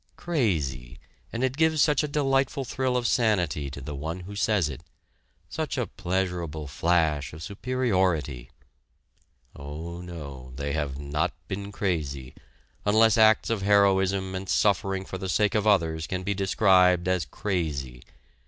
Crazy! and it gives such a delightful thrill of sanity to the one who says it such a pleasurable flash of superiority! Oh, no, they have not been crazy, unless acts of heroism and suffering for the sake of others can be described as crazy!